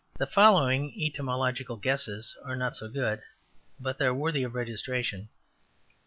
The following etymological guesses are not so good, but they are worthy of registration.